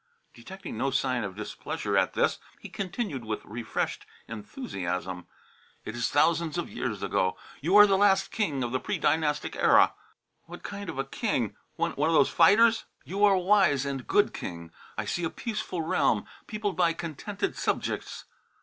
Detecting no sign of displeasure at this, he continued with refreshed enthusiasm. "It is thousands of years ago. You are the last king of the pre dynastic era " "What kind of a king one of those fighters?" "You are a wise and good king. I see a peaceful realm peopled by contented subjects."